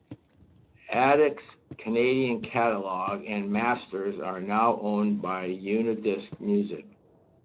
Attic's Canadian catalog and masters are now owned by Unidisc Music.